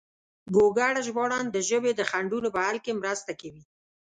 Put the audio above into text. ګوګل ژباړن د ژبې د خنډونو په حل کې مرسته کوي.